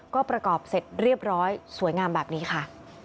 ก็ประกอบเสร็จเรียบร้อยสวยงามแบบนี้ค่ะ